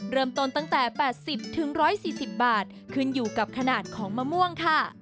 เริ่มต้นตั้งแต่๘๐๑๔๐บาทขึ้นอยู่กับขนาดของมะม่วงค่ะ